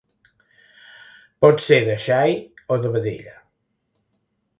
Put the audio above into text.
Pot ser de xai o de vedella.